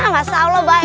masya allah baik baik